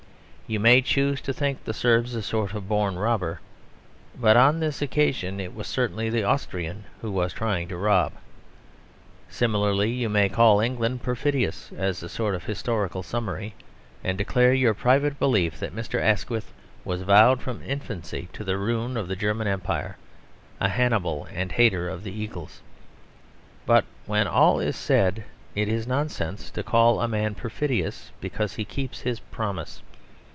You may choose to think the Serb a sort of born robber: but on this occasion it was certainly the Austrian who was trying to rob. Similarly, you may call England perfidious as a sort of historical summary; and declare your private belief that Mr. Asquith was vowed from infancy to the ruin of the German Empire, a Hannibal and hater of the eagles. But, when all is said, it is nonsense to call a man perfidious because he keeps his promise.